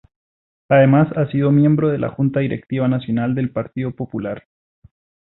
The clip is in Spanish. Además ha sido miembro de la Junta Directiva Nacional del Partido Popular.